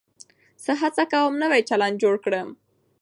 زه هڅه کوم نوی چلند جوړ کړم.